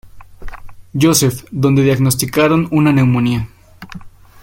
Josef, donde diagnosticaron una neumonía.